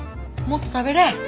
もっと食べれ。